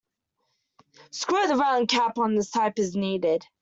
Screw the round cap on as tight as needed.